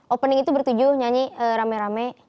opening itu bertujuh nyanyi rame rame